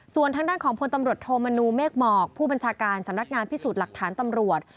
ส่วนทางด้านของพลตำรวจโทมนูเมฆหมอกผู้บัญชาการสำนักงานพิสูจน์หลักฐานตำรวจ